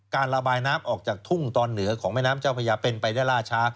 การระบายน้ำออกจากทุ่งตอนเหนือของแม่น้ำเจ้าพระยาเป็นไปได้ล่าช้า